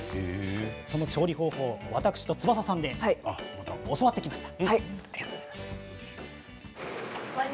その調理法を私と翼さんで教わってきました。